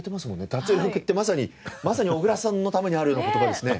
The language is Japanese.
「脱力」ってまさにまさに小倉さんのためにあるような言葉ですね。